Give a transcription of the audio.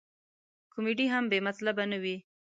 کمیډي هم بې مطلبه نه وي.